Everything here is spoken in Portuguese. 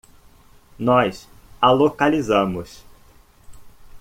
Nós a localizamos.